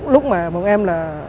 lúc mà bọn em là